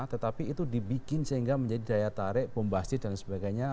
tetapi itu dibikin sehingga menjadi daya tarik pembastis dan sebagainya